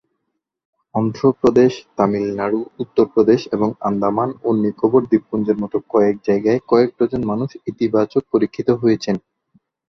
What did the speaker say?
অন্ধ্র প্রদেশ, তামিলনাড়ু, উত্তরপ্রদেশ এবং আন্দামান ও নিকোবর দ্বীপপুঞ্জের মতো কয়েক জায়গায় কয়েক ডজন মানুষ ইতিবাচক পরীক্ষিত হয়েছেন।